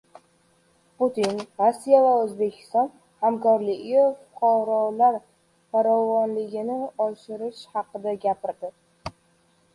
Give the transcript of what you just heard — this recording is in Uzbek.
Putin Rossiya va O‘zbekiston hamkorligi fuqarolar farovonligini oshirishi haqida gapirdi